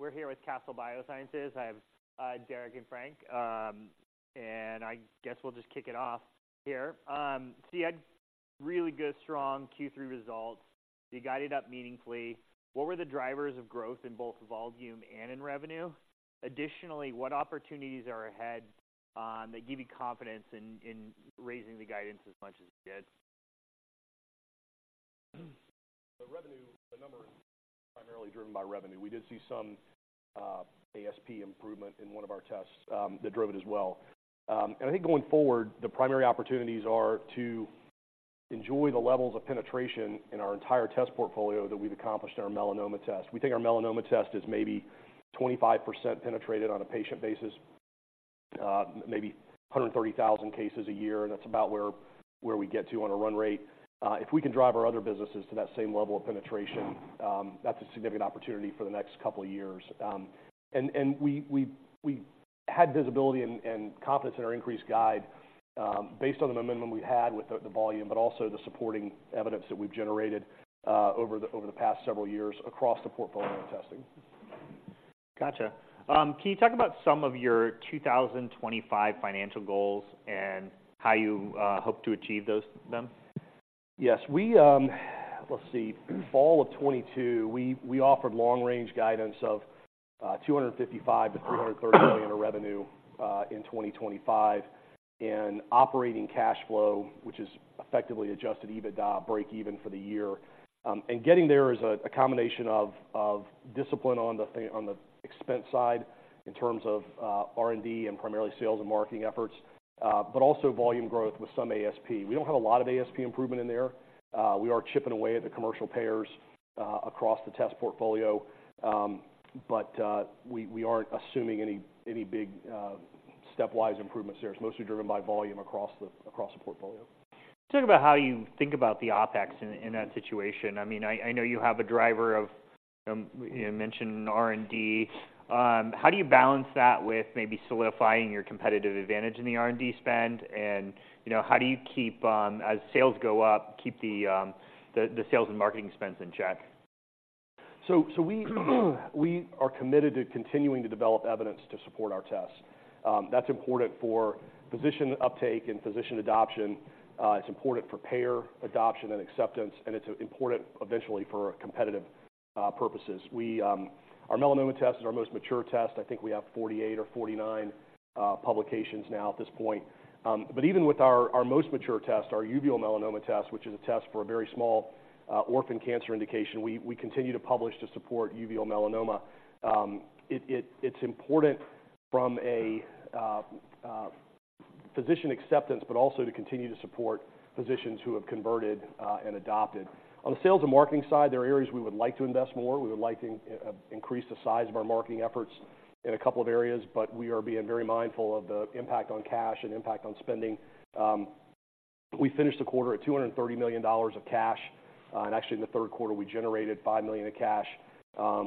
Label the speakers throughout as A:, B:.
A: We're here with Castle Biosciences. I have, Derek and Frank. And I guess we'll just kick it off here. So you had really good, strong Q3 results. You guided up meaningfully. What were the drivers of growth in both volume and in revenue? Additionally, what opportunities are ahead, that give you confidence in, in raising the guidance as much as you did?
B: The revenue, the number is primarily driven by revenue. We did see some ASP improvement in one of our tests that drove it as well. I think going forward, the primary opportunities are to enjoy the levels of penetration in our entire test portfolio that we've accomplished in our melanoma test. We think our melanoma test is maybe 25% penetrated on a patient basis, maybe 130,000 cases a year, and that's about where we get to on a run rate. If we can drive our other businesses to that same level of penetration, that's a significant opportunity for the next couple of years. We had visibility and confidence in our increased guide, based on the momentum we had with the volume, but also the supporting evidence that we've generated, over the past several years across the portfolio of testing.
A: Gotcha. Can you talk about some of your 2025 financial goals and how you hope to achieve them?
B: Yes, we... Let's see. Fall of 2022, we offered long-range guidance of $255 million-$330 million in revenue in 2025, and operating cash flow, which is effectively Adjusted EBITDA breakeven for the year. Getting there is a combination of discipline on the expense side in terms of R&D and primarily sales and marketing efforts, but also volume growth with some ASP. We don't have a lot of ASP improvement in there. We are chipping away at the commercial payers across the test portfolio. We aren't assuming any big stepwise improvements there. It's mostly driven by volume across the portfolio.
A: Talk about how you think about the OpEx in that situation. I mean, I know you have a driver of, you mentioned R&D. How do you balance that with maybe solidifying your competitive advantage in the R&D spend? And, you know, how do you keep, as sales go up, keep the the sales and marketing expense in check?
B: So, we are committed to continuing to develop evidence to support our tests. That's important for physician uptake and physician adoption. It's important for payer adoption and acceptance, and it's important eventually for competitive purposes. We, our melanoma test is our most mature test. I think we have 48 or 49 publications now at this point. But even with our most mature test, our uveal melanoma test, which is a test for a very small orphan cancer indication, we continue to publish to support uveal melanoma. It's important from a physician acceptance, but also to continue to support physicians who have converted and adopted. On the sales and marketing side, there are areas we would like to invest more. We would like to increase the size of our marketing efforts in a couple of areas, but we are being very mindful of the impact on cash and impact on spending. We finished the quarter at $230 million of cash, and actually in the third quarter, we generated $5 million of cash.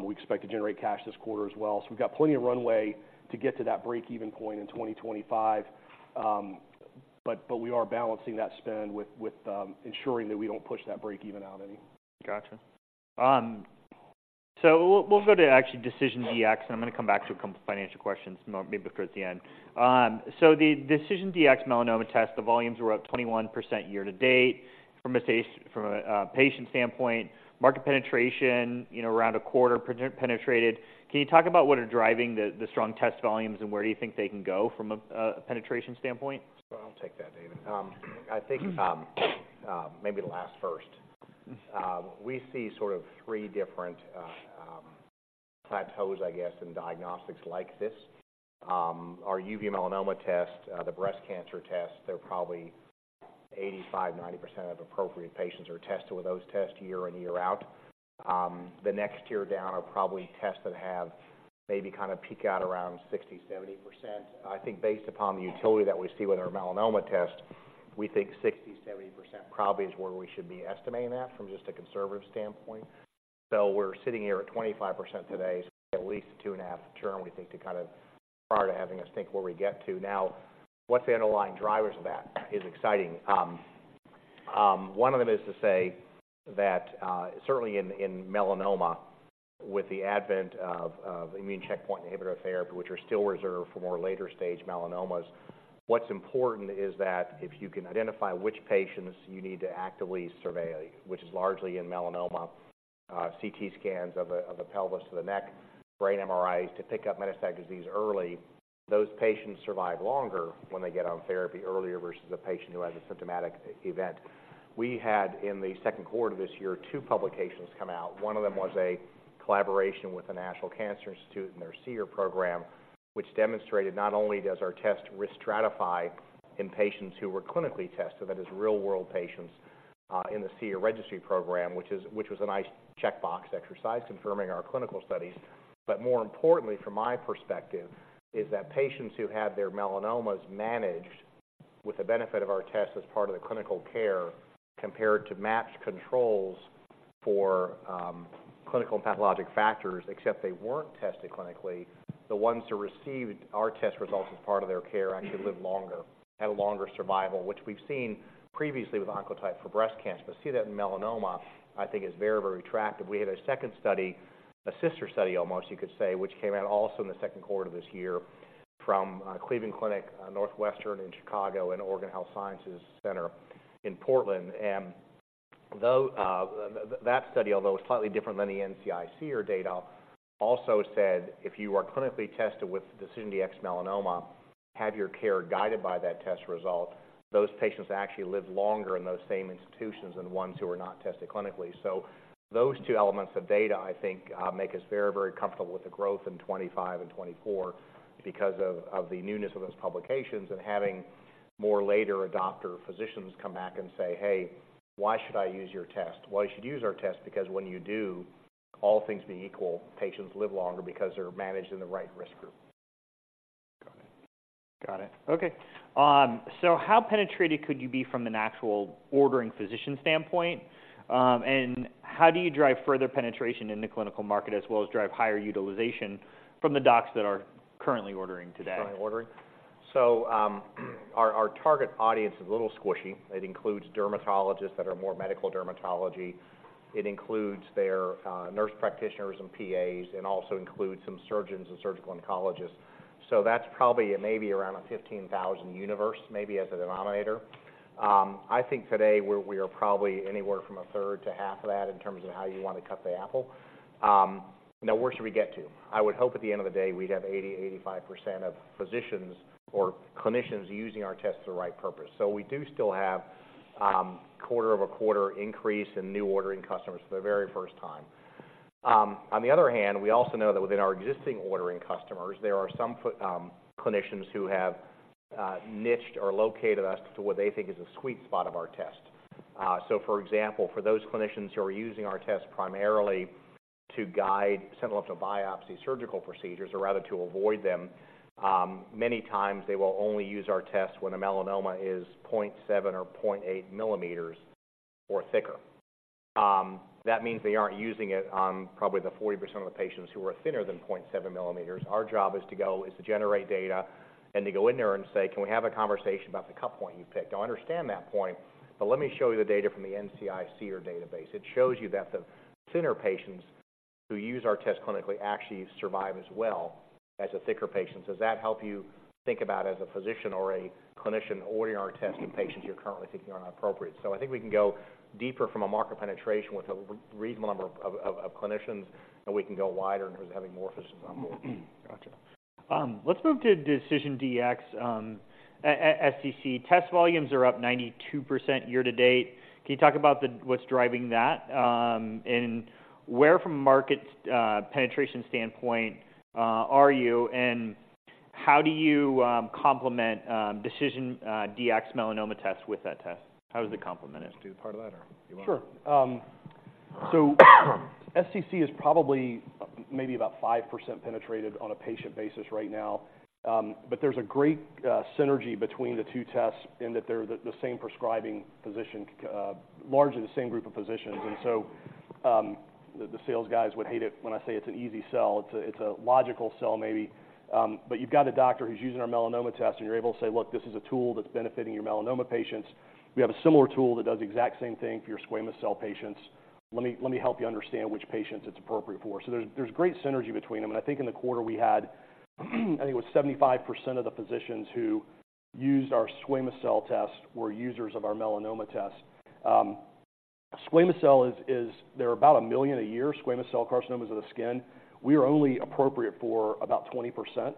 B: We expect to generate cash this quarter as well. So we've got plenty of runway to get to that break-even point in 2025. But we are balancing that spend with ensuring that we don't push that break even out any.
A: Gotcha. So we'll go to actually DecisionDx-Melanoma, and I'm gonna come back to a couple financial questions maybe towards the end. So the DecisionDx-Melanoma test, the volumes were up 21% year to date. From a patient standpoint, market penetration, you know, around a quarter penetrated. Can you talk about what are driving the strong test volumes, and where do you think they can go from a penetration standpoint?
C: I'll take that, David. I think, maybe last, first. We see sort of three different plateaus, I guess, in diagnostics like this. Our uveal melanoma test, the breast cancer test, they're probably 85%-90% of appropriate patients are tested with those tests year in, year out. The next tier down are probably tests that have maybe kinda peak out around 60%-70%. I think based upon the utility that we see with our melanoma test, we think 60%-70% probably is where we should be estimating that from just a conservative standpoint. So we're sitting here at 25% today, so at least 2.5 times, we think, to kind of... prior to having us think where we get to. Now, what's the underlying drivers of that is exciting. One of them is to say that, certainly in melanoma, with the advent of immune checkpoint inhibitor therapy, which are still reserved for more later-stage melanomas, what's important is that if you can identify which patients you need to actively survey, which is largely in melanoma, CT scans of the pelvis to the neck, brain MRIs to pick up metastatic disease early, those patients survive longer when they get on therapy earlier versus a patient who has a symptomatic event. We had, in the second quarter of this year, two publications come out. One of them was a collaboration with the National Cancer Institute and their SEER program, which demonstrated not only does our test risk stratify in patients who were clinically tested, so that is real-world patients, in the SEER registry program, which was a nice checkbox exercise confirming our clinical studies. But more importantly, from my perspective, is that patients who had their melanomas managed with the benefit of our test as part of the clinical care, compared to matched controls for clinical and pathologic factors, except they weren't tested clinically. The ones who received our test results as part of their care actually lived longer, had a longer survival, which we've seen previously with Oncotype for breast cancer. But see that in melanoma, I think is very, very attractive. We had a second study, a sister study, almost, you could say, which came out also in the second quarter of this year from Cleveland Clinic, Northwestern in Chicago, and Oregon Health & Science University in Portland. Though that study, although it's slightly different than the NCI SEER data, also said if you are clinically tested with DecisionDx-Melanoma, have your care guided by that test result, those patients actually live longer in those same institutions than ones who are not tested clinically. So those two elements of data, I think, make us very, very comfortable with the growth in 2025 and 2024 because of, of the newness of those publications and having more later adopter physicians come back and say: "Hey, why should I use your test?" Well, you should use our test because when you do, all things being equal, patients live longer because they're managed in the right risk group.
A: Got it. Okay. So how penetrated could you be from an actual ordering physician standpoint? And how do you drive further penetration in the clinical market, as well as drive higher utilization from the docs that are currently ordering today?
C: Currently ordering? Our target audience is a little squishy. It includes dermatologists that are more medical dermatology. It includes their nurse practitioners and PAs, and also includes some surgeons and surgical oncologists. So that's probably maybe around a 15,000 universe, maybe as a denominator. I think today we are probably anywhere from a third to half of that in terms of how you want to cut the apple. Now, where should we get to? I would hope at the end of the day, we'd have 80%-85% of physicians or clinicians using our tests for the right purpose. We do still have quarter-over-quarter increase in new ordering customers for the very first time. On the other hand, we also know that within our existing ordering customers, there are some ph... Clinicians who have niched or located us to what they think is a sweet spot of our test. So for example, for those clinicians who are using our test primarily to guide sentinel biopsy surgical procedures, or rather to avoid them, many times they will only use our test when a melanoma is 0.7 or 0.8 millimeters or thicker. That means they aren't using it on probably the 40% of the patients who are thinner than 0.7 millimeters. Our job is to generate data and to go in there and say: "Can we have a conversation about the cut point you picked? I understand that point, but let me show you the data from the NCI SEER database. It shows you that the thinner patients who use our test clinically actually survive as well as the thicker patients. Does that help you think about as a physician or a clinician ordering our test in patients you're currently thinking are not appropriate? So I think we can go deeper from a market penetration with a reasonable number of clinicians, and we can go wider in having more physicians on board.
A: Gotcha. Let's move to DecisionDx-SCC. Test volumes are up 92% year to date. Can you talk about what's driving that? And where from a market penetration standpoint, are you, and how do you complement DecisionDx-Melanoma test with that test? How does it complement it?
C: Do you want to do part of that, or you want-?
B: Sure. So SCC is probably maybe about 5% penetrated on a patient basis right now. But there's a great synergy between the two tests in that they're the same prescribing physician, largely the same group of physicians. So, the sales guys would hate it when I say it's an easy sell. It's a logical sell, maybe. But you've got a doctor who's using our melanoma test, and you're able to say: "Look, this is a tool that's benefiting your melanoma patients. We have a similar tool that does the exact same thing for your squamous cell patients. Let me help you understand which patients it's appropriate for." So there's great synergy between them, and I think in the quarter we had, I think it was 75% of the physicians who used our squamous cell test were users of our melanoma test. Squamous cell is. There are about 1 million a year, squamous cell carcinomas of the skin. We are only appropriate for about 20%,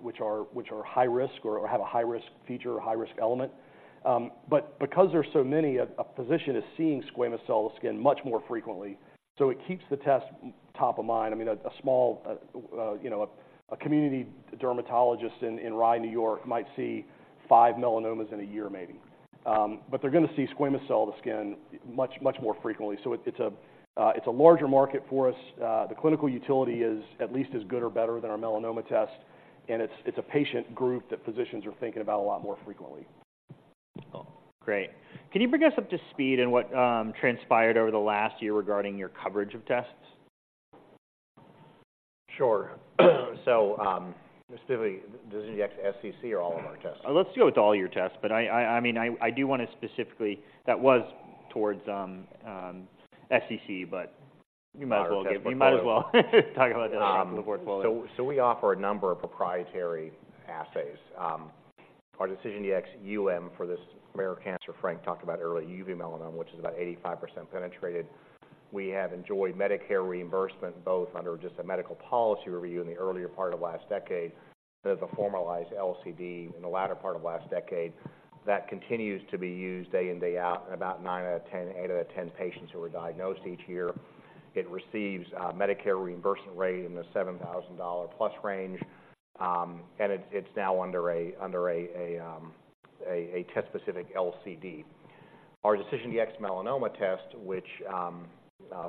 B: which are high risk or have a high risk feature or high risk element. But because there's so many, a physician is seeing squamous cell skin much more frequently, so it keeps the test top of mind. I mean, a small, you know, a community dermatologist in Rye, New York, might see five melanomas in a year maybe. But they're going to see squamous cell skin much, much more frequently. So it's a larger market for us. The clinical utility is at least as good or better than our melanoma test, and it's a patient group that physicians are thinking about a lot more frequently.
A: Cool. Great. Can you bring us up to speed in what transpired over the last year regarding your coverage of tests?
C: Sure. So, specifically, DecisionDx-SCC or all of our tests?
A: Let's go with all your tests, but I mean, I do want to specifically... That was toward SCC, but you might as well-
C: Our test portfolio.
A: You might as well talk about the other portfolio.
C: So we offer a number of proprietary assays. Our DecisionDx-UM, for this rare cancer Frank talked about earlier, uveal melanoma, which is about 85% penetrated. We have enjoyed Medicare reimbursement, both under just a medical policy review in the earlier part of last decade, with a formalized LCD in the latter part of last decade. That continues to be used day in, day out, in about nine out of ten, eight out of ten patients who are diagnosed each year. It receives Medicare reimbursement rate in the $7,000+ range. And it's now under a test-specific LCD. Our DecisionDx-Melanoma test, which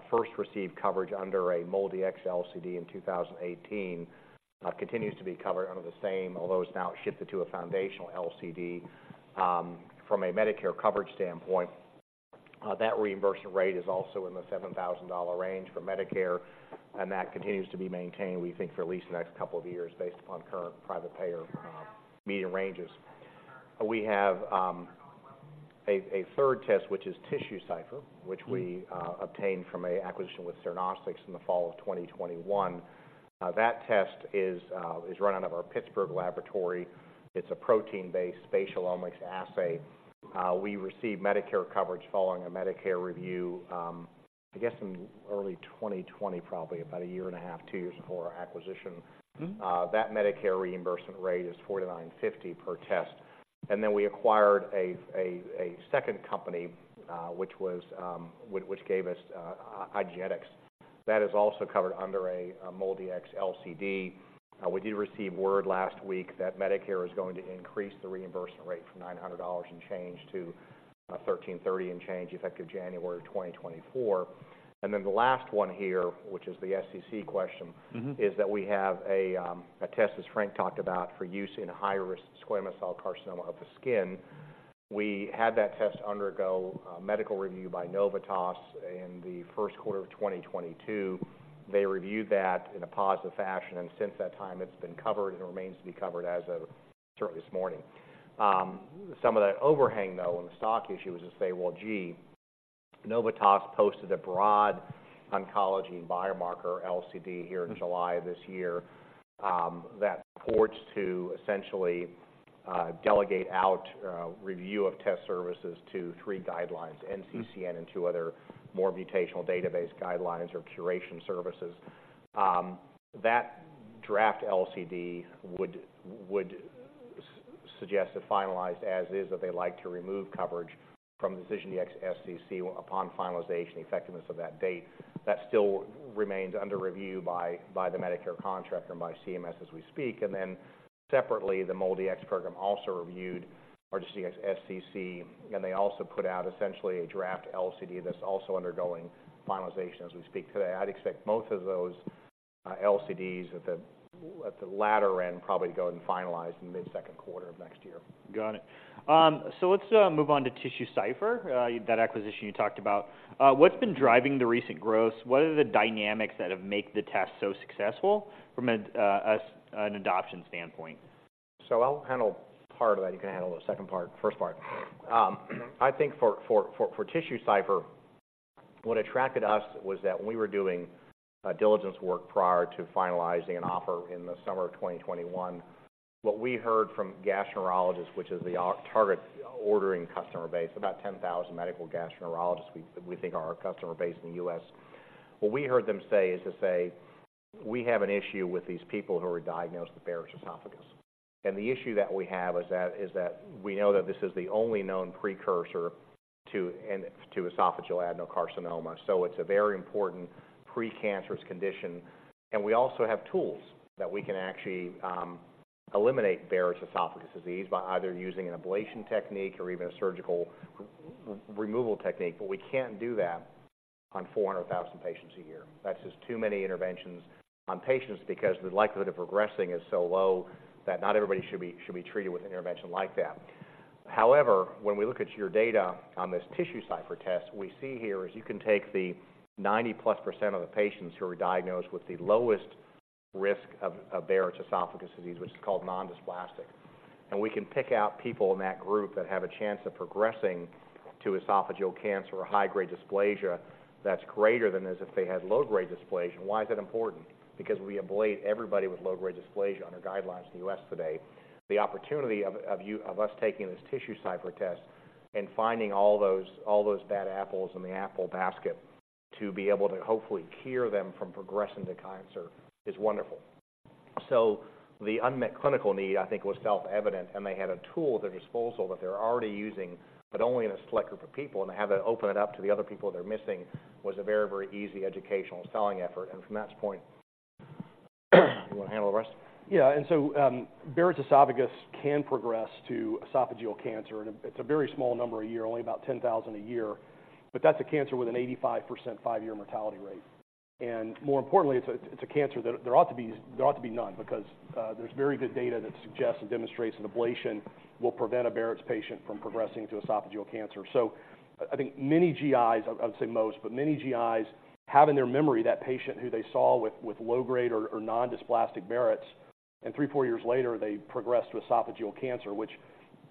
C: first received coverage under a MolDX LCD in 2018, continues to be covered under the same, although it's now shifted to a foundational LCD. From a Medicare coverage standpoint, that reimbursement rate is also in the $7,000 range for Medicare, and that continues to be maintained, we think, for at least the next couple of years, based upon current private payer, medium ranges. We have a third test, which is TissueCypher, which we obtained from an acquisition with Cernostics in the fall of 2021. That test is run out of our Pittsburgh laboratory. It's a protein-based spatial omics assay. We received Medicare coverage following a Medicare review, I guess in early 2020, probably about a year and a half, two years before our acquisition.
A: Mm-hmm.
C: That Medicare reimbursement rate is $4,950 per test. Then we acquired a second company, which gave us IDgenetix. That is also covered under a MolDX LCD. We did receive word last week that Medicare is going to increase the reimbursement rate from $900 and change to $1,330 and change, effective January 2024. Then the last one here, which is the SEC question-
A: Mm-hmm.
C: is that we have a test, as Frank talked about, for use in high-risk squamous cell carcinoma of the skin. We had that test undergo medical review by Noridian in the first quarter of 2022. They reviewed that in a positive fashion, and since that time, it's been covered and remains to be covered as of certainly this morning. Some of the overhang, though, on the stock issue is to say: Well, gee, Noridian posted a broad oncology biomarker LCD here-
A: Mm-hmm
C: In July this year, that purports to essentially delegate out review of test services to three guidelines, NCCN, and two other more mutational database guidelines or curation services. That draft LCD would suggest to finalize as is, that they'd like to remove coverage from DecisionDx-SCC upon finalization, the effective date of that. That still remains under review by the Medicare contractor and by CMS as we speak. And then separately, the MolDX program also reviewed our DecisionDx-SCC, and they also put out essentially a draft LCD that's also undergoing finalization, as we speak today. I'd expect both of those LCDs at the latter end, probably to go and finalize in mid-second quarter of next year.
A: Got it. So let's move on to TissueCypher, that acquisition you talked about. What's been driving the recent growth? What are the dynamics that have make the test so successful from an adoption standpoint?
C: So I'll handle part of that. You can handle the second part-first part. I think for TissueCypher, what attracted us was that when we were doing diligence work prior to finalizing an offer in the summer of 2021, what we heard from gastroenterologists, which is our target ordering customer base, about 10,000 medical gastroenterologists, we think are our customer base in the U.S.. What we heard them say is to say, "We have an issue with these people who are diagnosed with Barrett's esophagus. And the issue that we have is that we know that this is the only known precursor to esophageal adenocarcinoma. So it's a very important precancerous condition, and we also have tools that we can actually eliminate Barrett's esophagus disease by either using an ablation technique or even a surgical removal technique. But we can't do that on 400,000 patients a year. That's just too many interventions on patients because the likelihood of progressing is so low that not everybody should be treated with an intervention like that. However, when we look at your data on this TissueCypher test, we see here is you can take the 90%+ of the patients who are diagnosed with the lowest risk of Barrett's esophagus disease, which is called nondysplastic. And we can pick out people in that group that have a chance of progressing to esophageal cancer or high-grade dysplasia that's greater than as if they had low-grade dysplasia. Why is that important? Because we ablate everybody with low-grade dysplasia under guidelines in the U.S. today. The opportunity of us taking this TissueCypher test and finding all those bad apples in the apple basket, to be able to hopefully cure them from progressing to cancer is wonderful. So the unmet clinical need, I think, was self-evident, and they had a tool at their disposal that they're already using, but only in a select group of people, and to have it open it up to the other people they're missing, was a very, very easy educational selling effort. And from that point, you want to handle the rest?
B: Yeah, and so, Barrett's esophagus can progress to esophageal cancer, and it's a very small number a year, only about 10,000 a year. But that's a cancer with an 85% 5-year mortality rate. And more importantly, it's a cancer that there ought to be, there ought to be none because there's very good data that suggests and demonstrates that ablation will prevent a Barrett's patient from progressing to esophageal cancer. So I think many GIs, I would say most, but many GIs have in their memory that patient who they saw with low-grade or nondysplastic Barrett's, and 3-4 years later, they progressed to esophageal cancer,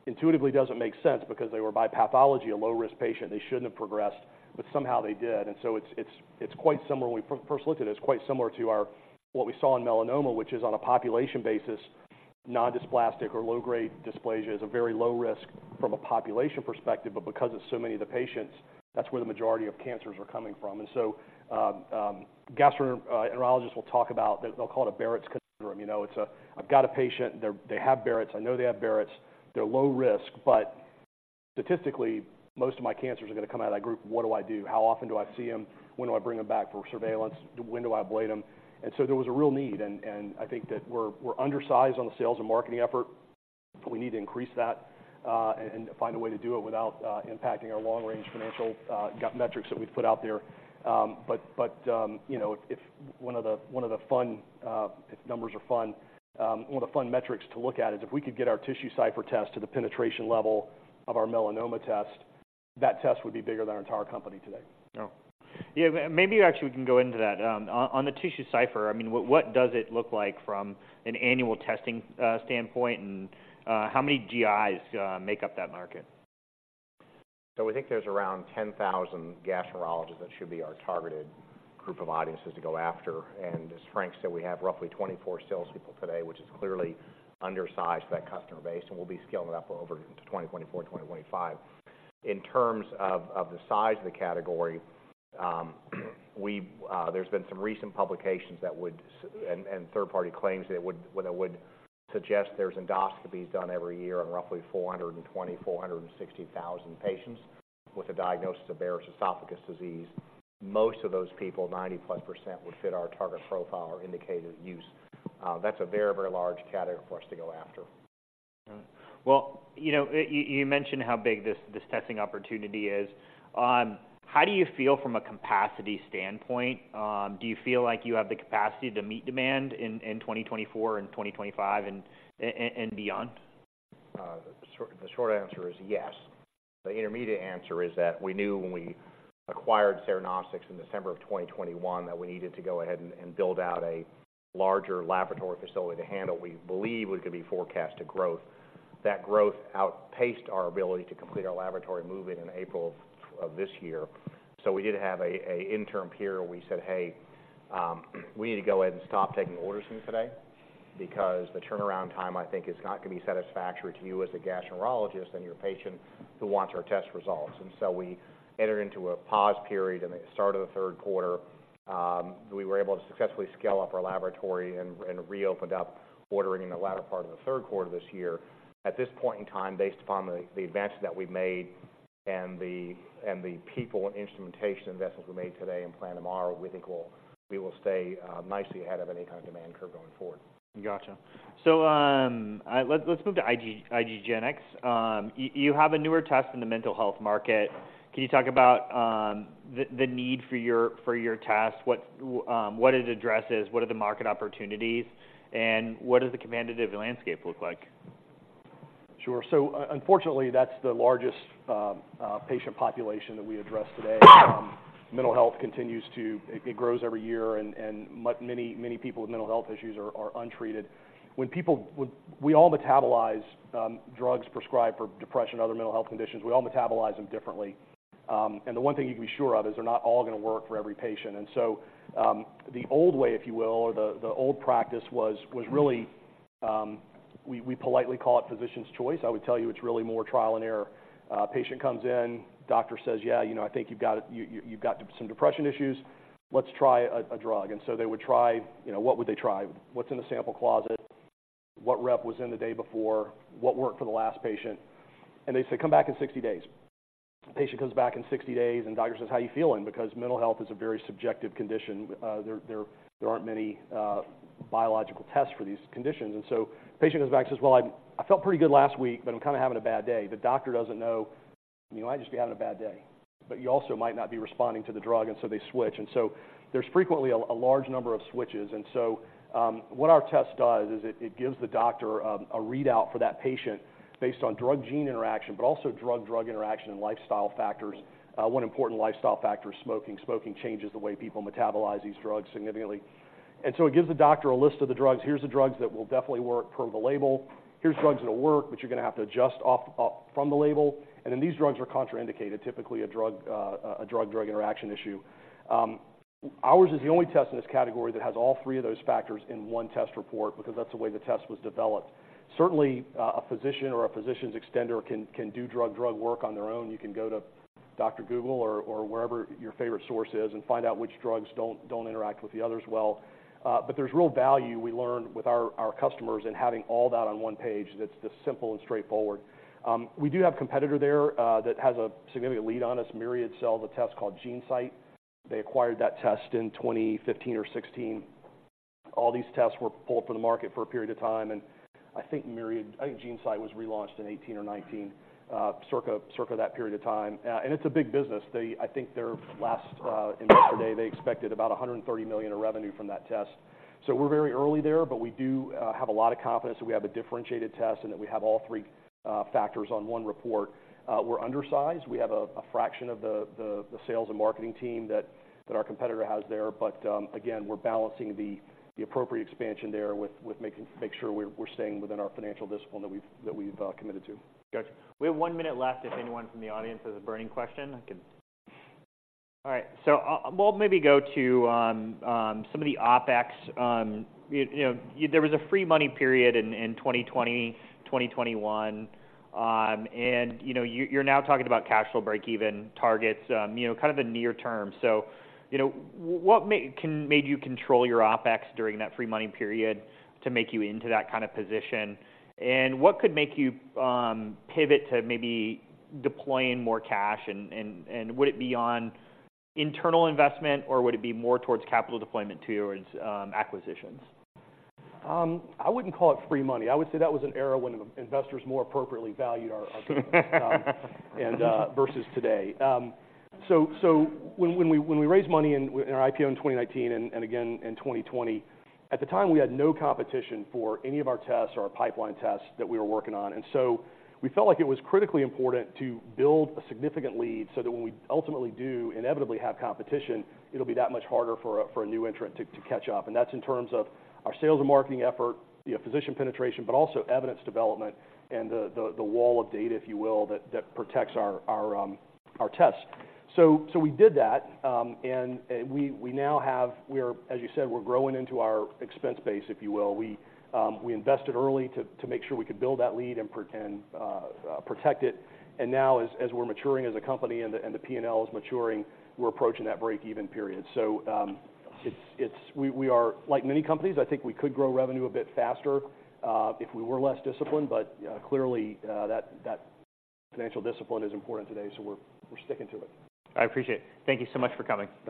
B: which intuitively doesn't make sense because they were, by pathology, a low-risk patient. They shouldn't have progressed, but somehow they did. And so it's quite similar. When we first looked at it, it's quite similar to our... what we saw in melanoma, which is on a population basis, nondysplastic or low-grade dysplasia, is a very low risk from a population perspective. But because it's so many of the patients, that's where the majority of cancers are coming from. And so, gastroenterologists will talk about, they'll call it a Barrett's conundrum. You know, it's a: I've got a patient, they're, they have Barrett's. I know they have Barrett's. They're low risk, but statistically, most of my cancers are going to come out of that group. What do I do? How often do I see them? When do I bring them back for surveillance? When do I ablate them? And so there was a real need, and I think that we're undersized on the sales and marketing effort. We need to increase that, and find a way to do it without impacting our long-range financial metrics that we've put out there. But you know, if numbers are fun, one of the fun metrics to look at is if we could get our TissueCypher test to the penetration level of our melanoma test. That test would be bigger than our entire company today.
A: Oh, yeah. Maybe actually we can go into that. On the TissueCypher, I mean, what does it look like from an annual testing standpoint, and how many GIs make up that market?
B: So we think there's around 10,000 gastroenterologists that should be our targeted group of audiences to go after. And as Frank said, we have roughly 24 salespeople today, which is clearly undersized for that customer base, and we'll be scaling it up over to 2024, 2025. In terms of of the size of the category, there's been some recent publications that would and, and third-party claims that would well, that would suggest there's endoscopies done every year on roughly 420,000-460,000 patients with a diagnosis of Barrett's esophagus disease. Most of those people, 90%+, would fit our target profile or indicated use. That's a very, very large category for us to go after.
A: Well, you know, you mentioned how big this testing opportunity is. How do you feel from a capacity standpoint? Do you feel like you have the capacity to meet demand in 2024 and 2025, and beyond?
B: The short answer is yes. The intermediate answer is that we knew when we acquired Cernostics in December 2021, that we needed to go ahead and build out a larger laboratory facility to handle what we believe was going to be forecasted growth. That growth outpaced our ability to complete our laboratory move in April of this year. So we did have an interim period where we said, "Hey, we need to go ahead and stop taking orders from today, because the turnaround time, I think, is not going to be satisfactory to you as a gastroenterologist and your patient who wants our test results." And so we entered into a pause period in the start of the third quarter. We were able to successfully scale up our laboratory and reopened up ordering in the latter part of the third quarter of this year. At this point in time, based upon the advances that we've made and the people and instrumentation investments we made today and plan tomorrow, we think we will stay nicely ahead of any kind of demand curve going forward.
A: Gotcha. So, let's move to IDgenetix. You have a newer test in the mental health market. Can you talk about the need for your test? What it addresses, what are the market opportunities, and what does the competitive landscape look like?
B: Sure. So unfortunately, that's the largest patient population that we address today. Mental health continues to... It grows every year, and many, many people with mental health issues are untreated. When... We all metabolize drugs prescribed for depression, other mental health conditions, we all metabolize them differently. And the one thing you can be sure of is they're not all going to work for every patient. And so, the old way, if you will, or the old practice was really we politely call it physician's choice. I would tell you it's really more trial and error. Patient comes in, doctor says, "Yeah, you know, I think you've got, you've got some depression issues. Let's try a drug." And so they would try, you know, what would they try? What's in the sample closet, what rep was in the day before, what worked for the last patient. And they say, "Come back in 60 days." The patient comes back in 60 days, and doctor says: How are you feeling? Because mental health is a very subjective condition. There aren't many biological tests for these conditions. And so patient comes back and says, "Well, I felt pretty good last week, but I'm kind of having a bad day." The doctor doesn't know, you know, I just be having a bad day. But you also might not be responding to the drug, and so they switch. And so there's frequently a large number of switches. And so what our test does is it gives the doctor a readout for that patient based on drug-gene interaction, but also drug-drug interaction and lifestyle factors. One important lifestyle factor is smoking. Smoking changes the way people metabolize these drugs significantly. And so it gives the doctor a list of the drugs. Here's the drugs that'll definitely work per the label. Here's drugs that'll work, but you're going to have to adjust off, from the label. And then these drugs are contraindicated, typically a drug-drug interaction issue. Ours is the only test in this category that has all three of those factors in one test report, because that's the way the test was developed. Certainly, a physician or a physician's extender can do drug-drug work on their own. You can go to Dr. Google or wherever your favorite source is and find out which drugs don't interact with the others well. But there's real value we learned with our, our customers in having all that on one page that's just simple and straightforward. We do have competitor there that has a significant lead on us. Myriad sells a test called GeneSight. They acquired that test in 2015 or 2016. All these tests were pulled from the market for a period of time, and I think Myriad, I think GeneSight was relaunched in 2018 or 2019, circa, circa that period of time. And it's a big business. They, I think their last investor day, they expected about $130 million in revenue from that test. So we're very early there, but we do have a lot of confidence that we have a differentiated test and that we have all three factors on one report. We're undersized. We have a fraction of the sales and marketing team that our competitor has there. But, again, we're balancing the appropriate expansion there with making sure we're staying within our financial discipline that we've committed to.
A: Gotcha. We have one minute left if anyone from the audience has a burning question, I could... All right, so, we'll maybe go to some of the OpEx. You know, there was a free money period in 2020, 2021. And, you know, you're now talking about cash flow break even targets, you know, kind of the near term. So, you know, what made you control your OpEx during that free money period to make you into that kind of position? And what could make you pivot to maybe deploying more cash? And would it be on internal investment, or would it be more towards capital deployment, towards acquisitions?
B: I wouldn't call it free money. I would say that was an era when investors more appropriately valued our company and versus today. So when we raised money in our IPO in 2019 and again in 2020, at the time, we had no competition for any of our tests or our pipeline tests that we were working on. And so we felt like it was critically important to build a significant lead so that when we ultimately do inevitably have competition, it'll be that much harder for a new entrant to catch up. And that's in terms of our sales and marketing effort, physician penetration, but also evidence development and the wall of data, if you will, that protects our tests. So we did that, and we now have, we are, as you said, we're growing into our expense base, if you will. We invested early to make sure we could build that lead and protect it. And now, as we're maturing as a company and the PNL is maturing, we're approaching that break-even period. So it's. We are, like many companies, I think we could grow revenue a bit faster if we were less disciplined, but clearly that financial discipline is important today, so we're sticking to it.
A: I appreciate it. Thank you so much for coming.
B: Thank you.